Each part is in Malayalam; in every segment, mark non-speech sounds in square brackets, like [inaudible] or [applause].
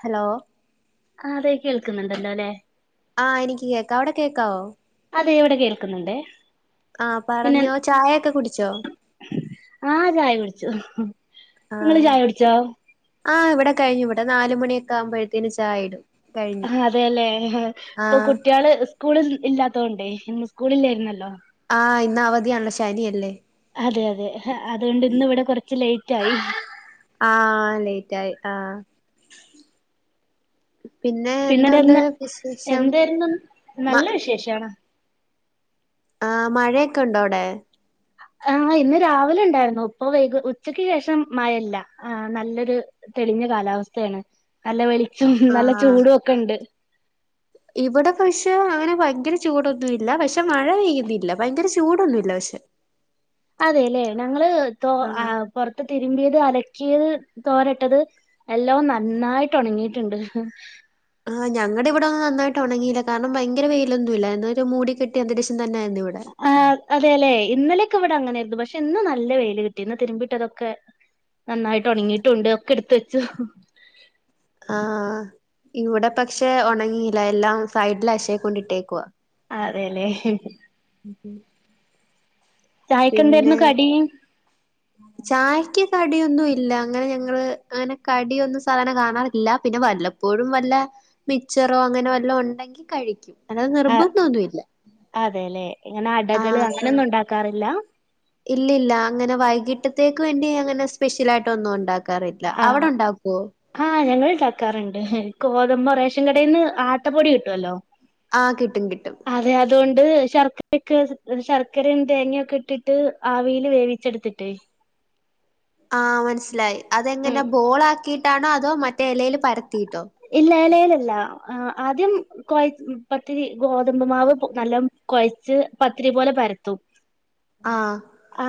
ഹലോ ആ അതേ കേൾക്കുന്നുണ്ടല്ലോല്ലെ ആ എനിക്ക് കേക്കാം അവിടെ കേക്കാവോ? അതെ ഇവിടെ കേൾക്കുന്നുണ്ടേ ആഹ് പറഞ്ഞോ ചായൊക്കെ കുടിച്ചോ? ആ ചായ കുടിച്ചു ങ്ങള് ആഹ് ചായ കുടിച്ചോ? ആഹ് ഇവിടെ കഴിഞ്ഞു വടെ നാലുമണിയൊക്കെ ആകുമ്പഴത്തേന് ചായ ഇടും ആ കഴിഞ്ഞു അതെല്ലേ ഇപ്പൊ ആഹ് കുട്ടികള് സ്കൂളിൽ ഇല്ലാത്തോണ്ടേ ഇന്ന് സ്കൂളില്ലായിരുന്നല്ലോ ആഹ് ഇന്ന് അവധിയാണല്ലോ ശനിയല്ലേ അതെ അതെ അതുകൊണ്ട് ഇന്നിവിടെ കുറച്ച് ലേറ്റ് ആയി ആ ലേറ്റ് ആയി ആ പിന്നെ എന്തൊണ്ട് പിന്നെതെന്ന് വിശേഷം എന്തായിരുന്നു മ നല്ല വിശേഷാണ് ആ മഴയൊക്കെ ഉണ്ടോ അവിടെ ആഹ ഇന്ന് രാവിലെ എ ണ്ടായിരുന്നു ഇപ്പ വൈക ഉച്ചക്ക് ശേഷം മഴല്ല ആ നല്ലൊരു തെളിഞ്ഞ കാലാവസ്ഥയാണ് നല്ല വെളിച്ചോ നല്ല ആഹ് ചൂടും ഒക്കെ ഉണ്ട് ഇവിടെ പക്ഷെ അങ്ങനെ ഭയങ്കര ചൂടൊന്നുമില്ല പക്ഷെ മഴ പെയ്യുന്നില്ല ഭയങ്കര ചൂടൊന്നുമില്ല പക്ഷെ അതെല്ലെ ഞങ്ങള് തോ ആഹ് പുറത്ത് തിരുമ്പിയത് അല ക്കിയത് തോരട്ടിത് എല്ലോം നന്നായിട്ട് ഉണങ്ങിട്ടുണ്ട് ആ ഞങ്ങടെ ഇവിടെ ഒന്ന് നന്നായിട്ട് ഒണങ്ങിയില്ല കാരണം ഭയങ്കര വെയിലൊന്നുല്ല എന്നൊരു മൂട കെട്ടി അന്തരീക്ഷം തന്നെയായിരുന്നു ഇവിടെ ആ അതെ അല്ലെ ഇന്നലെയൊക്കെ ഇവിടെ അങ്ങനേരുന്നു പക്ഷെ ഇന്ന് നല്ല വെയില് കിട്ടി ഇന്ന് തിരുമ്പിട്ടതൊക്കെ നന്നായിട്ട് ഉണങ്ങിട്ടുണ്ട് ഒക്കെ എടുത്ത വെച്ചു ആ ഇവിടെ പക്ഷെ ഒണങ്ങില്ല എല്ലാം സൈഡിൽ അഷേ കൊണ്ടിട്ടേക്കുവ അതെല്ലേ ഉം ചായക്കെന്താരുന്നു കടി ചായക്ക് കടിയൊന്നും ഇല്ല അങ്ങനെ ഞങ്ങള് അങ്ങനെ കടിയൊന്നും സാധാരണ കാണാറില്ല പിന്ന വ വല്ലപ്പോഴും വല്ല മിച്ചറോ അങ്ങനെ വല്ല ഒണ്ടെങ്കി കഴിക്കും അങ്ങന ആഹ് നിർബന്ധോന്നു ല്ല അതേല്ലേ. ഇങ്ങനെ ആ അടകള് അങ്ങനെയൊന്നും ഉണ്ടാക്കാറില്ല? ഇല്ലില്ല അങ്ങനെ വൈകിട്ടത്തേക്ക് വേണ്ടി അങ്ങനെ സ്പെഷ്യൽ ആയിട്ട് ഒന്നും ഒണ്ടാക്ക റില്ല അവിടെ ഒണ്ടാക്കുവോ ക്കാറുണ്ട് കോതമ്പ് റേഷൻ കടേന്ന് ആട്ടപ്പൊടി കിട്ടുവല്ലോ ആ കിട്ടും കിട്ടും ണ്ട് ശർക്കരക്കൊ ആ മനസ്സിലായി ഉം അതെങ്ങനെ ബോൾ ആക്കിയിട്ടാണോ അതോ മറ്റേ എലയിൽ പര ഇല്ല എലേലല്ല ആ ആദ്യം കൊയ പത്തിരി ഗോതമ്പ്മാവ് നല്ല കൊയച്ച് പത്തിരി പോലെ പരത്തും ആഹ്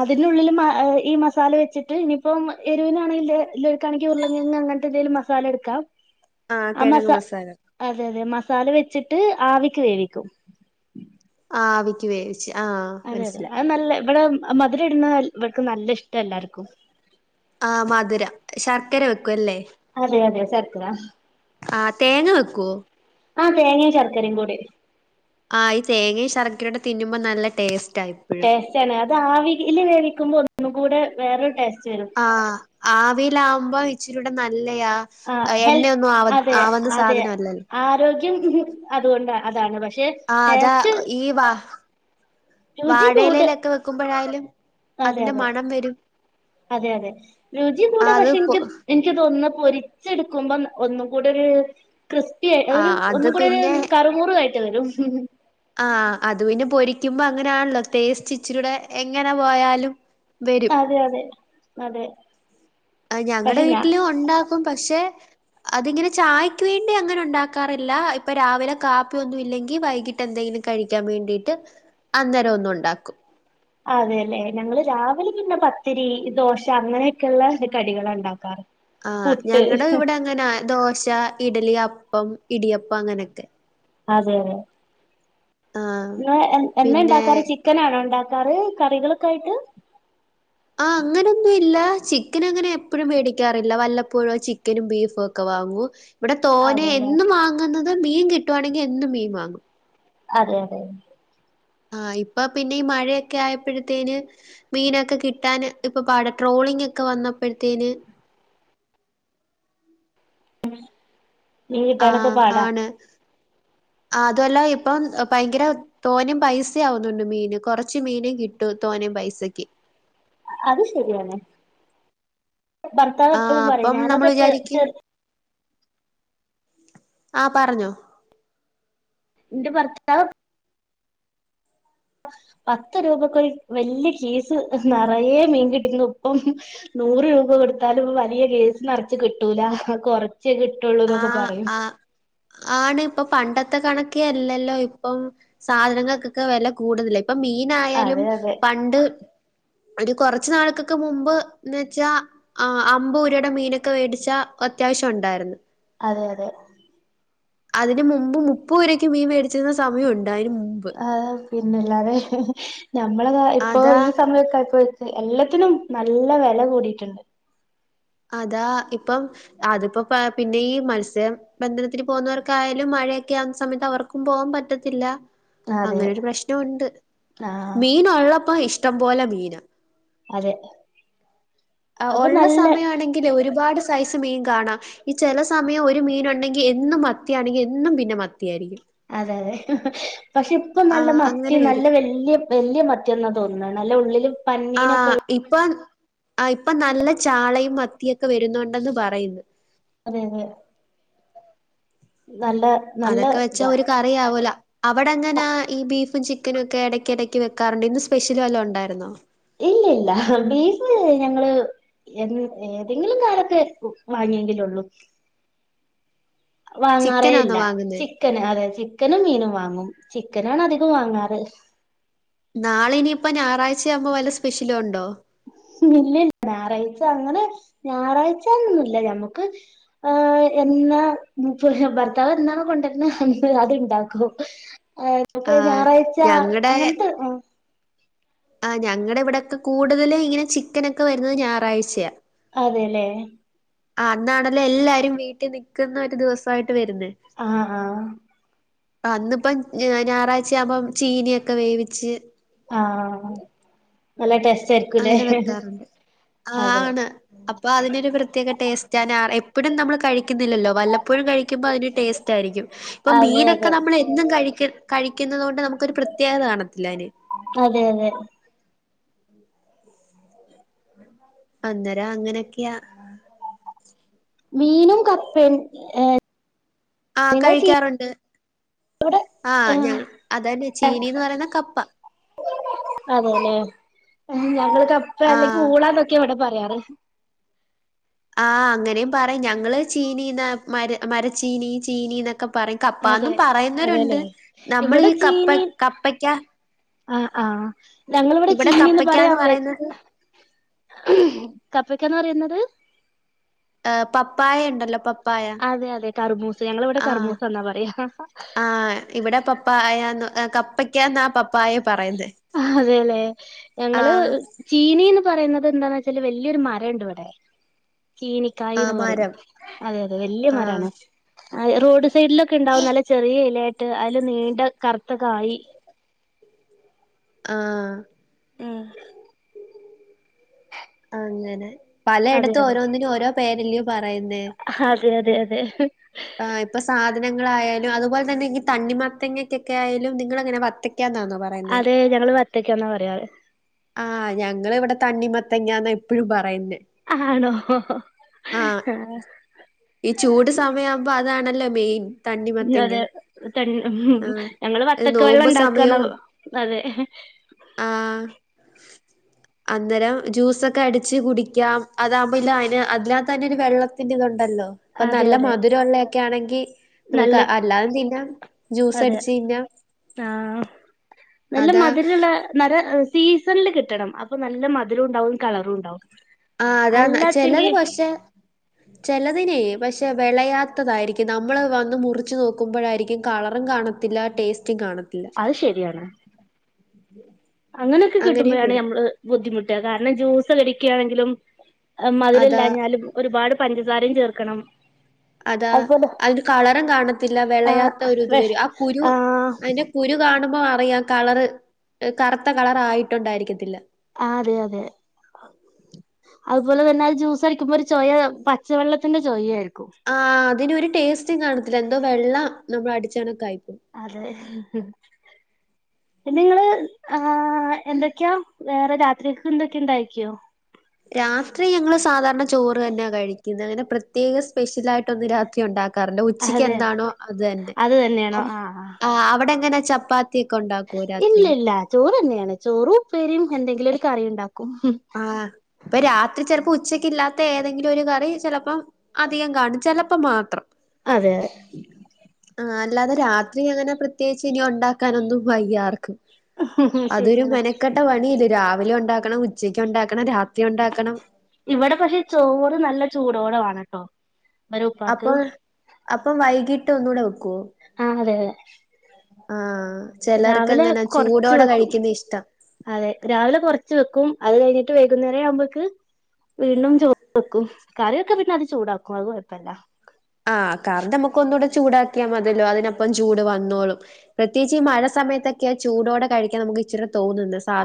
അതിനുള്ളിൽ മാ ഈ മസാല വെച്ചിട്ട് ഇനി ഇപ്പം എരുവിനാണെങ്കിൽ [unintelligible] ഉരുളങ്ങങ്ങ് അങ്ങനത്തെ എന്തെലും മസാല എടുക്കാം ആഹ് ആ മസ കിഴങ്ങ് മസാല അതെ അതെ മസാല വെച്ചിട്ട് ആവിക്ക് വേവിക്കും ആവിക്ക് വേവിച്ച് ആ അതെ അതെ മനസ്സിലായി അത് നല്ല ഇവിടെ മധുര ഇടുന്ന ഇവർക്ക് നല്ല ഇഷ്ടാ എല്ലാർക്കും ആ മധുരം ശർക്കര വെക്കുംല്ലേ അതെ അതെ ശർക്കര ആ തേങ്ങ വെക്കുവോ ആ തേങ്ങേ ശർക്കരേം കൂടി ആ ഈ തേങ്ങേ ശർക്കരുട തിന്നുമ്പ നല്ല ടേസ്റ്റ് ടേസ്റ്റ് ആണ് അത് ആവില് വേവിക്കുമ്പോ ഒന്നും കൂട വേറൊരു ടേസ്റ്റ് വരും ആ ആവിൽ ആവുമ്പ ഇച്ചരൂടെ നല്ല ആ [unintelligible] ഹെൽ എണ്ണയൊന്നും ആവ അതെ ആവുന്ന അതെ സാധനം അല്ലല്ലോ ആരോഗ്യം അതുകൊണ്ട അതാണ് പക്ഷെ ആ അതാ ടേസ്റ്റ് ഈ വാ രുചി വാഴ യിലേ കൂട് ലൊക്കെ വെക്കുമ്പഴായാലും അതെ അതിന്റെ അതെ മണം വരും അതെ അതെ രുചി കൂടെ ആഹ് അത് പക്ഷെ പൊ എനിക്ക് എനിക്ക് തോന്ന [unintelligible] എടുക്കുമ്പ ഒന്നും കൂടൊരു ക്രിസ്പി ആഹ് അത് ഒന്നും കൂടൊരു കറുമുറ് [unintelligible] ആ അത് പിന്നെ പൊരിക്കുമ്പോ അങ്ങനാണല്ലോ തേസ്ച്ചിരൂടെ എങ്ങനെ പോയാലും വരും അതെ അതെ അതെ ഞങ്ങടെ പക്ഷെ ഞാൻ വീട്ടിലും ഒണ്ടാക്കും പക്ഷെ അതിങ്ങനെ ചായക്ക് വേണ്ടി അങ്ങനെ ഒണ്ടാക്കാറില്ല ഇപ്പൊ രാവിലെ കാപ്പിയൊന്നും ഇല്ലെങ്കിൽ വൈകിട്ട് എന്തെങ്കിലും ക കഴിക്കാൻ വേണ്ടിട്ട് അന്നേരം ഒന്ന് ഒണ്ടാക്കും അതെല്ലെ ഞങ്ങള് രാവിലെ പിന്നെ പത്തിരി, ദോശ അങ്ങനെയൊക്കെയുള്ള കടികളാ ണ്ടാക്കാറ് ആഹ് ഞങ്ങടെ ഇവിടങ്ങനാ ദോശ, ഇഡലി അ പ്പം ഇടിയപ്പം അങ്ങനെക്കെ അതെയെ ആഹ് ഇന്ന് എന്ന പിന്നെ ഒണ്ടാക്കാറ് ചിക്കൻ ആണോ ഒ കറി കറികളൊക്കെ ആയിട്ട് ആ അങ്ങനൊന്നും ഇല്ല ചിക്കൻ അങ്ങനെ എപ്പോഴും മേടിക്കാറില്ല വല്ലപ്പോഴും ചിക്കനും ബീഫും ഒക്കെ വാ വാങ്ങൂ ഇവിടെ തോനെ അതെല്ലേ എന്നും വാങ്ങുന്നത് മീൻ കിട്ടുവാണെങ്കി എന്നും മീൻ വാങ്ങും അതെ അതെ ആ ഇപ്പൊ പിന്നെ ഈ മഴയൊക്കെ ആയപ്പോഴ്ത്തേന് മീനൊക്കെ കിട്ടാൻ ഇപ്പൊ പാടാ ട്രോള് ളിങ്ങക്കെ വന്നപ്പഴ്തേന്ന് ഉം മീൻ ആ കിട്ടാനൊക്കെ പാടാ ആണ് ആ അതുവല്ല ഇപ്പം പയങ്കര തോനേം പൈസയാവുന്നുണ്ട് മീന് കൊറച്ച് മീനേ കിട്ടു തോ നെ പൈസക്ക് അത് ശെരിയാണ് ഭർത്താവ് ആ എപ്പഴും പറയും അപ്പം നമ്മൾ ഞാനത് ചെ വിചാരിക്കും ചെറി ആ പറഞ്ഞോ എന്റെ ഭർത്താവ് പത്ത് രൂപക്ക് ഒരു വല്യ കേസ് നേറയെ മീൻ കിട്ടിരുന്നു ഇപ്പം നൂറ് രൂപ കൊടുത്താലും വലിയ കേസ് നെറച്ച് കിട്ടൂല കൊറ ച്ചെ കിട്ടുള്ളൂ ന്നൊക്കെ ആഹ് പറയും ത്ത കണക്കെ അല്ലല്ലോ ഇപ്പം സാധനങ്ങക്കൊക്കെ വെല കൂടുതലേ ഇപ്പൊ മീനായാലും അതെ അതെ പണ്ട് [unintelligible] ഒരു കൊറച്ച് നാൾക്കൾക്ക് മുമ്പ് എന്ന്ച്ചാ ആ അമ്പ് രുടെ മീനൊക്കെ വേടിച്ചാ അത്യാ ശ്യം ഒണ്ടാരുന്നു അതെ അതെ അതിന് മുമ്പ് മുപ്പരുപക്ക് മീൻ മേടിച്ചിരുന്ന സമയം ഒണ്ട് അയിന് മുമ്പ് പിന്നെല്ലാതെ ഞമ്മള ഇപ്പൊ അതാ ഈ സമയക്കെ പ്പോ എല്ലാത്തിനും നല്ല വെല കൂടിട്ടുണ്ട് അതാ ഇപ്പം അതിപ്പോ പിന്നെ ഈ മത്സ്യബന്ധനത്തിന് പോകുന്നവർക്കായാലും മ ഴയൊക്കെ ആകുന്ന സമയത്ത് അവർക്കും പോവാൻ പറ്റത്തില്ല അതെ അങ്ങനൊരു പ്രശ്നോം ഒണ്ട് ആഹ് മീൻ ഒള്ളപ്പോ ഇഷ്ടം പോലെ മീനാ അതെ ആ അപ്പൊ ഒള്ള നല്ല സമയ ആണെങ്കിലെ ഒരുപാട് സ സ് മീൻ കാണാം ഈ ചെല സമയം ഒരു മീൻ ഒണ്ടങ്കി എന്നും മത്തിയാണെങ്കി എന്നും പിന്നെ മ അതെ അതെ പക്ഷെ ഇപ്പൊ ആ നല്ല മത്തി അങ്ങനെ നല്ല വരും വല്യേ വല്യ മത്തിയാന്നാ തോന്നുന്നേ നല്ല ഉള്ളിലും ആഹ് ഇപ്പൊ ആ ഇപ്പൊ നല്ല ചാളയും മത്തിയൊക്കെ വരുന്നുണ്ടെന്ന് പറയുന്നു അതെ അതെ നല്ല നല്ല അതൊക്കെ വെച്ചാ ഇതാ ഒരു കറിയവോല അവിടങ്ങന ഈ ബീഫും ചിക്കനുവെക്കെ എടക്ക് എടക്ക് വെക്കാറുണ്ട് ഇന്ന് സ്പെഷ്യലും വല്ലോ ഒണ്ടാരുന്നോ? ഇല്ല ഇല്ല ബീഫ് ഞങ്ങള് എ ഏതെങ്കിലും കാലത്ത് വാങ്ങിയെങ്കില ഒള്ളൂ വാങ്ങാറേ ഇല്ല ചിക്കനാന്നോ വാങ്ങുന്നേ ചിക്കന് അതെ ചിക്കനും മീനും വാങ്ങും ചിക്കനാണ് അധികോം വാങ്ങാറ് നാളെ ഇനിപ്പോ ഞാറാഴ്ചയാവുമ്പോ വല്ല സ്പെഷ്യലും ഒണ്ടോ [unintelligible] ഇല്ലില്ല ഞാറാഴ്ച അങ്ങനെ ഞാറാഴ്ച്ചന്ന് ന്നുവില്ല ഞമ്മുക്ക് ആഹ് എ ന്ന മുപ്പ- ഭർത്താവ് എന്തണ കൊണ്ടെർ ണ് അതിണ്ടാക്കും ഏ -മക്ക് ആ ഞായറാഴ്ച്ച ഞങ്ങടെ അങ്ങൻത്തെ അ് ആ ഞങ്ങടെവിടൊക്കെ കൂടുതൽ ഇങ്ങനെ ചിക്കനൊക്കെ വരുന്നത് ഞായറാഴ്ചയ അതെ ലേ ആ അന്നാണല്ലോ എല്ലാരും വീട്ടിൽ നിക്കുന്ന ഒരു ദിവസമായി- ആഹാഹ് അന്നിപ്പം ഞായറാഴ്ചയാകുമ്പം ചീനിയൊക്കെ വേവിച്ച് ആഹ് നല്ല ടേസ്- അങ്ങനെ വെക്കാറുണ്ട്. ആ അതെ ആണ് അപ്പൊ അതിനൊരു പ്രത്യേക ടേസ്- ഞാൻ എപ്പോഴും നമ്മൾ [unintelligible] എപ്പൊയും നമ്മൾ ഞാന എപ്പയും നമ്മൾ കഴിക്കുന്നില്ലല്ലോ. വല്ലപ്പോഴും കഴിക്കുമ്പോ അതിന് ടേസ്റ്റായിരിക്കും ഇപ്പൊ അതെ മീനൊക്കെ അതെ നമ്മളെന്നും കഴിക്ക് കഴിക്കുന്നുന്നത് കൊണ്ട് നമുക്കൊരു പ്രത്യേകത കാണത്തില്ല അയ്ന് അതെ അതെ അന്നേരം അങ്ങനൊക്കെയാ വീനും കപ്പേം എ ആ കഴിക്കാറുണ്ട് ആഹ ആഹ് ഞങ്ങ- അതന്നെ ചീനീന്ന് പറയുന്ന കപ്പ അതേലെ ഞങ്ങൾ കപ്പ ആ അല്ലെങ്കിൽ ഊളാന്നൊക്കെ ഇവിടെ പറ- ഏറിം ആ അങ്ങനെയും പറിം. ഞങ്ങള് ചീനീന്ന് മരച്ചീനി ചീനീന്നൊക് ക്കെ പറയും അതെ കപ്പാന്നും പറയുന്നവരുണ്ട്. അതെല്ലേ നമ്മൾ ഈ കപ്പ കപ്പക്കാ അഹ് ആഹ ഞങ്ങളിവിടെ ചീനീന്ന് പറയാ- കപ്പയ്ക്കാന്ന് പറയുന്നത് ഉം കപ്പക്കാന്ന് പറയുന്നത് എ് എ പപ്പായ ഉണ്ടല്ലോ പപ് പായ. അതെ അതെ കർമൂസ് ഞങ്ങളിവിടെ ആഹ്. കർമൂസ എന്നാ പറയാ ആ ഇവിടെ പപ് പ്പായന്ന് കപ്പക്കാന്നാ പപ് അതേലേ ഞങ്ങള് ആഹ് ചീനീന്ന് പറയുന്നതന്താന്നെച്ചാല് വല്യൊരു മരംണ്ടിവ്ടെ ആഹ് ചീനിക്കായിന്ന് പറയും. മരം അതെയതെ വല്യ ആഹ് മരാണ് റോഡ് സൈഡിലൊക്കെ ഉണ്ടാവും. നല്ല ചെറിയ ഇലയായിട്ട് അതില് നീണ്ട കറുത്ത കായി ആഹ് ഉം അങ്ങനെ അതെ പലയിടത്തും അതെ ഓരോന്നിനും ഓരോ പേരിലും പറയുന്നേ അതെ അതെ അതെ -ങ്ങളായാലും അതുപോലെത്തന്നെ ഈ തണിമത്തങ്ങക്കെ ആയാലും നിങ്ങൾങ്ങനെ വത്തക്ക് അതെ ഞങ്ങള് വത്തക്കാന്നാ പറയാറ് ആഹ് ഞങ്ങളിവിടെ തണ്ണിമത്തങ്ങാന്ന എപ്പോഴും പറയുന്നെ ആണോ ആഹ് ഈ ചൂട് സമയം ആവുമ്പോ അതാണല്ലോ മെയിൻ തണ്ണിമത്തങ്ങ. അതെ ത- ഉം ആഹ് ഞങ്ങള് ഈ വത്തക്ക വെള്ളം നോമ്പ് ഉണ്ടാക്കാന്ന സമയവും അതെ ആഹ് [inaudible] അന്നെരം ജ്യൂസൊക്കെ അടിച്ച് കുടിക്കാം. അതാകുമ്പോല്ല അതിന് അതിനകത്തന്നെ ഒരു വെള്ളത്തിൻ്റെതുണ്ടല്ലോ പ്പൊ അതെ നല്ല അതെ മധുരമള്ളൊക്കെയാണെങ്കി നമുക്ക് നല്ല അല്ലാതെം തിന്നാ. ജ്യൂസ് അതെ അടിച്ചി-ന്നാ ആഹ് നല്ല മധുരള്ള നല്ല സീസണില് കിട്ടണം. അപ്പൊ നല്ല മധുരോം ണ്ടാവും കളറും ണ്ടാവും ആഹ അതാന്ന ചിലത് പക്ഷേ ചിലത് -ലതിനെ പക്ഷെ വിളയാത്തതായിരിക്കും. നമ്മൾ വന്ന് മുറിച്ച് നോക്കുമ്പോഴായിരിക്കും കളറും കാണത്തില്ല ടേസ്റ്റി കാണുന്നത് അത് ശെരിയാണ് അങ്ങനെയൊക്കെ അങ്ങനെയും കിട്ടുമ്പോഴാണ് വരും നഞമ്മള് ബുദ്ധിമുട്ടുക കാരണം ജ്യൂസ് കടിക്കുകയാണെങ്കിലും അതാ മതിരല്ല്യാഞ്ഞാലും ഒരുപാട് പഞ്ചസാരയും ചേർക്കണം അതാ അതുപോലെ അതിന് കളറും കാണത്തില്ല ആഹ് വിളയാത്ത ഒ ഇത് വെഷ് വരും ആ കുരു ആഹ് അതിന്റെ കുരു കാണുമ്പോ അറിയാം കളറ് കറുത്ത കളർ ആയിട്ടുണ്ടായിരിക്കത്തില്ല ആ അതെ അതെ അതുപോലെ തന്നെ അത് ജ്യൂസ് അടിക്കുമ്പോ ഒരു ചൊയ പച്ചവെള്ളത്തിന്റെ ചൊയായിരിക്കും ആ അതിനൊരു ടേസ്റ്റും കാണത്തില്ല എന്തോ വെള്ളം നമ്മൾ അടിച്ചെണക്ക ആയിും അതെ നിങ്ങള് ആ എന്തൊക്കെയാ വേറെ രാത്രിക്ക എന്തൊക്കെയ ഇണ്ടായിക്കോ രാത്രി ഞങ്ങള് സാധാരണ ചോറ് തന്നെയാ കഴിക്കുന്നത് അങ്ങനെ പ്രത്യേക സ്പെഷ്യൽ ആയിട്ട ഒന്ന് രാത്രി ഉണ്ടാക്ക അതെ ഉച്ചക്ക്ന്താണോ അത് തന്നെ അത് തന്നെയാണോ ആ ആ അവിടെങ്ങെപ്പാത്തി ഇല്ല ഇല്ല ചോറ് തന്നെയാണ് ചോറും ഉപ്പേരിയും എന്തെങ്കിലും ഒരു കറിയ ഉണ്ടാക്ക ആഹ ഇപ്പൊ രാത്രി ചെലപ്പോ ഉച്ചക്ക് ല്ലാത്ത ഏതെങ്കിലും ഒരു കറി ചിലപ്പോ അധികം കാണും ചിലപ്പോ മാത്രം അതെ അതെ ആ അല്ലാതെ രാത്രി അങ്ങനെ പ്രത്യേകിച്ച് ഇനി ഉണ്ടാക്കാനൊന്നും വയ്യ ആർക്കും അതൊരു ശരിയാണ് മെനക്കെട്ട പണില്ല രാവിലെ ഉണ്ടാക്കണം ഉച്ചക്ക് ഉണ്ടാക്കണം രാത് ഇവിടെ പക്ഷെ ചോറ് നല്ല ചൂടോടെ വാണട്ടോ വരെ ഉപ്പാക്ക് അപ്പൊ അപ്പം വൈകിട്ട് ഒന്നൂടെ വെ ആഹ് അതെ അതെ ആഹ് ചെലർക്ക് രാവിലെ അങ്ങനെ കൊറച്ച് ചൂടോടെ വെക്കും കഴിക്കുന്ന ഇഷ്ടം അതെ രാവിലെ കൊറച്ച് വെക്കും അത് കഴിഞ്ഞിട്ട് വൈകുന്നേരം ആവുമ്പേക്ക് വീണ്ടും ചോർ വെക്കും കറിയൊക്കെ പിന്നെ അത് ചൂടാക്കും അത് കുഴപ്പില്ല ആഹ് കറി നമുക്ക് ഒന്നുകൂടെ ചൂടാക്കിയാൽ മതില്ലോ അതിനൊപ്പം ചൂട് വന്നോളും പ്രത്യേകിച്ച് ഈ മഴ സ സമയത്തൊക്കെ ചൂടോടെ കഴിക്കാൻ നമുക്ക് ഇച്ചിര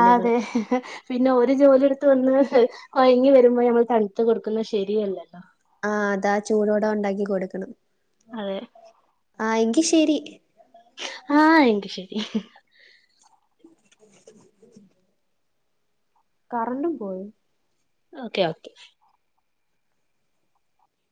ആഹ് അതെ പിന്നെ ഒരു ജോലി എടുത്ത് വന്ന് കൊയ്ങ്ങി വരുമ്പോ നമ്മൾ തണുത്ത് കൊടുക്കുന്നത് ശരിയല്ലല്ലോ ആഹ് അതാ ചൂടോടെ ഉണ്ടാക്കി കൊടുക്കണം അതെ ആഹ് എങ്കി ശരി ആ എങ്കി ശരി കറണ്ടും പോയി ഓക്കെ ഓക്കെ